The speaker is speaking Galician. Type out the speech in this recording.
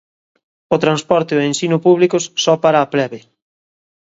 O transporte e o ensino públicos, só para a plebe.